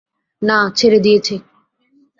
না, ছেড়ে দিয়েছি।